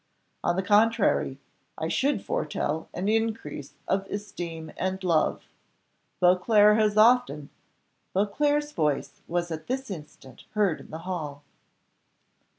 On the contrary, I should foretell an increase of esteem and love. Beauclerc has often " Beauclerc's voice was at this instant heard in the hall.